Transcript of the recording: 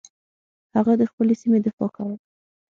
هغه د خپلې سیمې دفاع کوله.